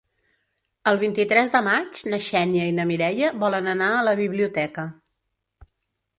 El vint-i-tres de maig na Xènia i na Mireia volen anar a la biblioteca.